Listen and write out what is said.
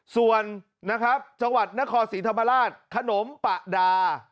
ส่วนนะครับจังหวัดนครศรีธรรมราชขนมปะดา